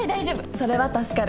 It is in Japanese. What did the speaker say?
それは助かる。